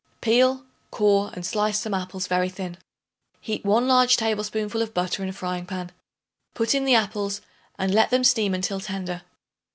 Peel, core and slice some apples very thin. Heat 1 large tablespoonful of butter in a frying pan; put in the apples and let them steam until tender.